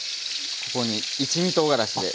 ここに一味とうがらしでさらに。